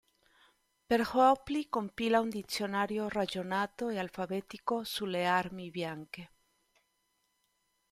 Per Hoepli, compila un dizionario ragionato e alfabetico su le armi bianche.